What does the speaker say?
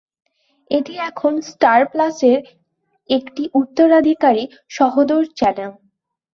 এটি এখন Star Plus এর একটি উত্তরাধিকারী সহোদর চ্যানেল।